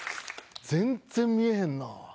全然見えへんな。